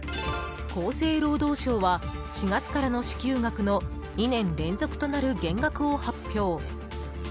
厚生労働省は４月からの支給額の２年連続となる減額を発表。